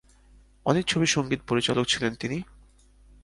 অনেক ছবির সংগীত পরিচালক ছিলেন তিনি।